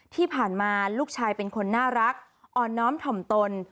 ที่ผ่านมาลูกชายเป็นคนน่ารักอ่อนน้อมถ่อมตน